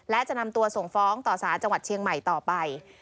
และจะนำตัวส่งฟ้องต่อสารจังหวัดเชียงใหม่ต่อไป